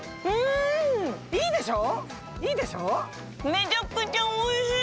めちゃくちゃおいしい！